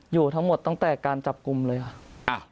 อยู่ทั้งหมดตั้งแต่การจับกลุ่มเลยค่ะ